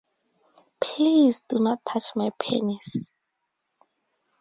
Please do not touch my penis.